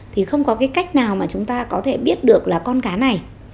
thì không có cái cách nào mà chúng ta có thể biết được là con cá này